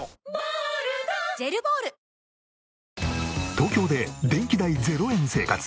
東京で電気代０円生活。